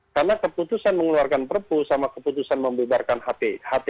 karena keputusan mengeluarkan perpu sama keputusan membebarkan hti itu juga berbeda